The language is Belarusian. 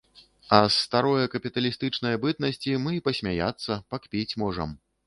А з старое, капіталістычнае бытнасці мы і пасмяяцца, пакпіць можам.